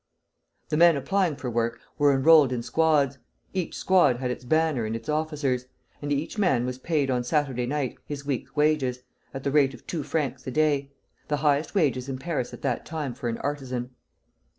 The men applying for work were enrolled in squads; each squad had its banner and its officers, and each man was paid on Saturday night his week's wages, at the rate of two francs a day, the highest wages in Paris at that time for an artisan.